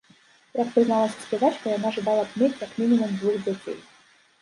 Як прызналася спявачка, яна жадала б мець як мінімум двух дзяцей.